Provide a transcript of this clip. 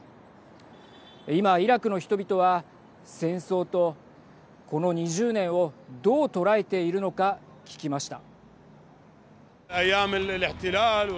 今、イラクの人々は戦争と、この２０年をどう捉えているのか聞きました。